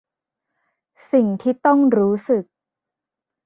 สิ่งที่ต้องรู้สึก